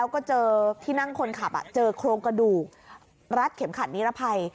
แล้วก็เจอที่นั่งคนขับเจอโครงกระดูกรัดเข็มขัดนิรภัย